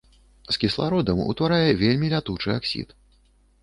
З кіслародам утварае вельмі лятучы аксід.